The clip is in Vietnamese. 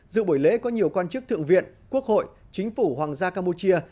dự buổi lễ có nhiều quan chức thượng viện quốc hội chính phủ hoàng gia campuchia